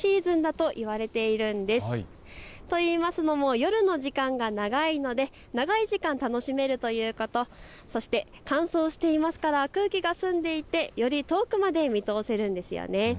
と言いますのも夜の時間が長いので長い時間楽しめるということ、そして乾燥していますから空気が澄んでいて、より遠くまで見通せるんですよね。